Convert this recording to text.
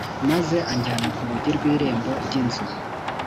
maze anjyana ku rugi rw irembo ry inzu